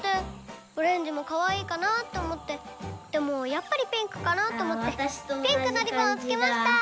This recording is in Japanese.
オレンジもかわいいかなって思ってでもやっぱりピンクかなって思ってピンクのリボンをつけました！